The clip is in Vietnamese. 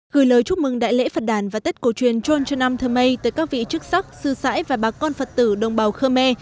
gửi lời chúc mừng đại lễ phật đàn và tết cổ truyền trôn trần nam thơ mê tới các vị chức sắc sư sãi và bà con phật tử đồng bào khơ me